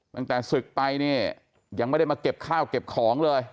ตั้งแต่ศึกไปเนี่ยยังไม่ได้มาเก็บข้าวเก็บของเลย